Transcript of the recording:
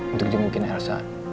untuk jemputin elsa